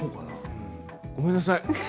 ごめんなさい